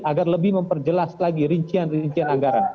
agar lebih memperjelas lagi rincian rincian anggaran